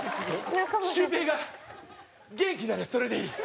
シュウペイが元気ならそれでいい。